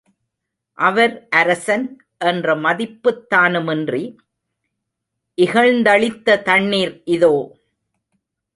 அவர் அரசன் என்ற மதிப்புத்தானுமின்றி, இகழ்ந்தளித்த தண்ணிர் இதோ!